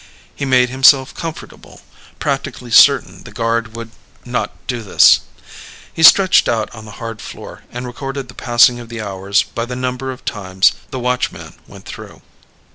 He made himself comfortable, practically certain the guard would not do this. He stretched out on the hard floor and recorded the passing of the hours by the number of times the watchman went through.